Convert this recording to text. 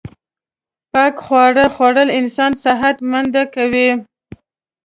پاک خواړه خوړل انسان صحت منده کوی